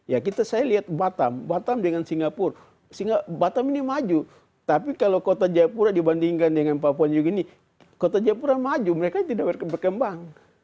ya kita saya lihat batam batam dengan singapura sehingga batam ini maju tapi kalau kota jayapura dibandingkan dengan papua juga gini kota jayapura maju mereka tidak berkembang